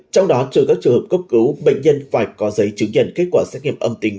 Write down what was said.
trong đó trừ các trường hợp cấp cứu bệnh nhân phải có giấy chứng nhận kết quả xét nghiệm âm tính